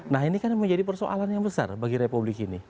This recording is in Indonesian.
nah ini kan menjadi persoalan yang besar bagi republik ini